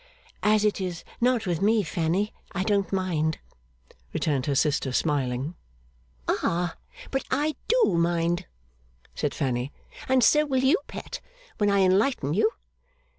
'As it is not with me, Fanny, I don't mind,' returned her sister, smiling. 'Ah! But I do mind,' said Fanny, 'and so will you, Pet, when I enlighten you.